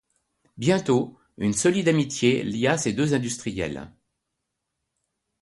Bientôt, une solide amitié lia ces deux industriels.